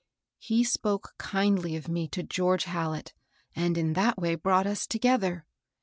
He spoke kindly of me to George Hal let, and in that way brought us together.